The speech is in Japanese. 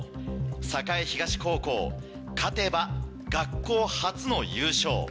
栄東高校勝てば学校初の優勝。